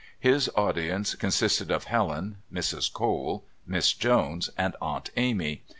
His audience consisted of Helen, Mrs. Cole, Miss Jones, and Aunt Amy.